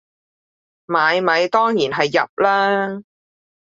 買米當然係入喇